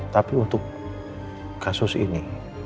tapi untuk kasus ini